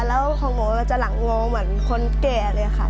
แล้วของหนูจะหลังงอเหมือนคนแก่เลยค่ะ